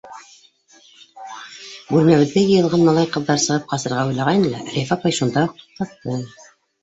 Бүлмәбеҙгә йыйылған малай-ҡыҙҙар сығып ҡасырға уйлағайны ла, Рәйфә апай шунда уҡ туҡтатты: